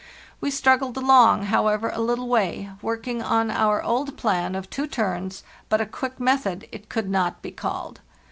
We struggled along, however, a little way, working on our old plan of two turns, but a quick method it could not be called.